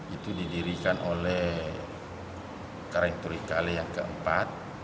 itu didirikan oleh karang turi kale yang keempat